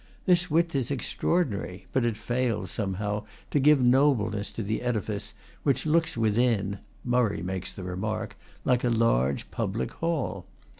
This width is extraordinary, but it fails, somehow, to give nobleness to the edifice, which looks within (Murray makes the remark) like a large public hall.